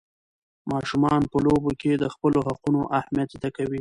ماشومان په لوبو کې د خپلو حقونو اهمیت زده کوي.